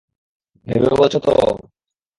ভেবে বলছ তো?